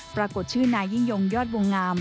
ปรากฏชื่อนายยิ่งยงยอดวงงาม